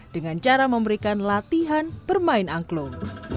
dengan cara memberikan latihan bermain angklung